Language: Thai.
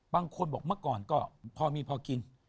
บางคนต้องกล่อก่อนก็พอมีพอกิน